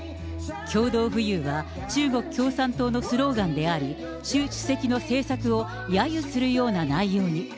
共同富裕は中国共産党のスローガンであり、習主席の政策をやゆするような内容に。